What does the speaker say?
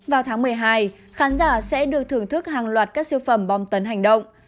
vào tháng một mươi hai khán giả sẽ được thưởng thức hàng loạt các siêu phẩm bom tấn hành động